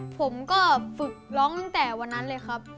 ผมก็ฝึกร้องตั้งแต่วันนั้นเลยครับ